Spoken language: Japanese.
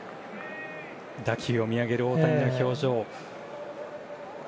打球を見上げる大谷の表情。